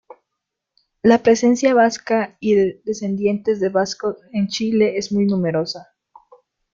La presencia vasca y de descendientes de vascos en Chile es muy numerosa.